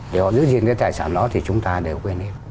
để họ giữ gìn cái tài sản đó thì chúng ta đều quên hết